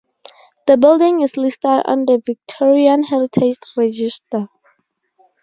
The building is listed on the Victorian Heritage Register.